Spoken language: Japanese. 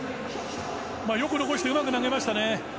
よく残してうまく投げましたね。